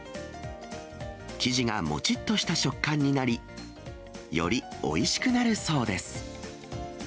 生地がもちっとした食感になり、よりおいしくなるそうです。